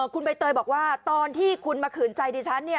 คุณใบเตยบอกว่าตอนที่คุณมาขืนใจดิฉันเนี่ย